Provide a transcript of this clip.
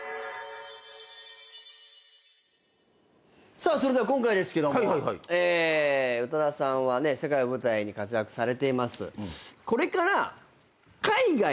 さあそれでは今回ですけども宇多田さんは世界を舞台に活躍されています。